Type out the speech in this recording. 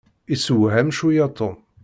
Isewham cwiya Tom.